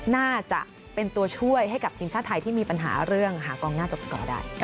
น่าจะเป็นตัวช่วยให้กับทีมชาติไทยที่มีปัญหาเรื่องหากองหน้าจบสกอร์ได้